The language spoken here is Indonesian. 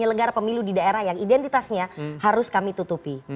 penyelenggara pemilu di daerah yang identitasnya harus kami tutupi